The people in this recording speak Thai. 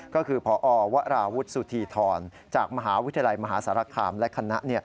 ก็คือพอวราวุฒิสุธีธรจากมหาวิทยาลัยมหาสารคามและคณะ